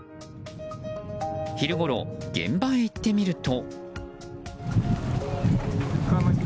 昼ごろ現場へ行ってみると。